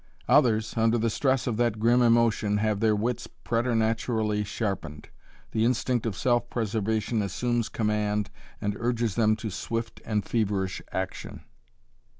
Others, under the stress of that grim emotion have their wits preternaturally sharpened. The instinct of self preservation assumes command and urges them to swift and feverish action.